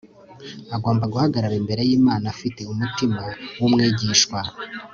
agomba guhagarara imbere y'imana afite umutima w'umwigishwa